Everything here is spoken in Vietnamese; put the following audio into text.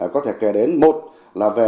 có thể kể đến một là về